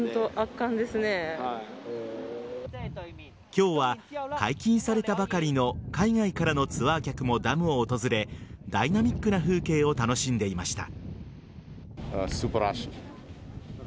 今日は解禁されたばかりの海外からのツアー客もダムを訪れダイナミックな風景を楽しんでいました。